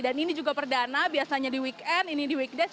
dan ini juga perdana biasanya di weekend ini di weekdays